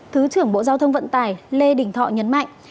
thứ trưởng bộ giao thông vận tải lê đình thọ nhấn mạnh